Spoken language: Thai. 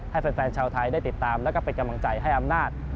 ให้แฟนชาวไทยได้ติดตามแล้วก็เป็นกำลังใจให้อำนาจ